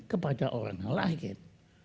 kepada orang lain